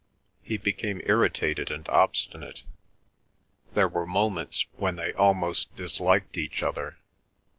He became irritated and obstinate. There were moments when they almost disliked each other.